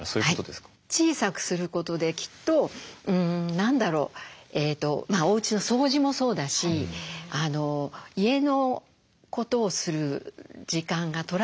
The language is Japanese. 小さくすることできっと何だろうおうちの掃除もそうだし家のことをする時間が取られてたんだと思うんですね。